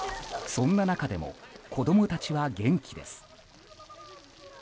そんな中でも子供たちは元気です。